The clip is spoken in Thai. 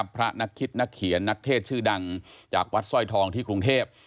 พระนักคิดนักเขียนนักเทศชื่อดังจากวัดสร้อยทองที่กรุงเทพ